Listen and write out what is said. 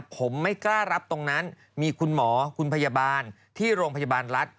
ผมไม่กล้ารับตรงนั้นมีคุณหมอคุณพยาบาลที่โรงพยาบาลรัฐ